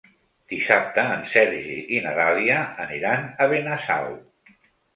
Dissabte en Sergi i na Dàlia aniran a Benasau.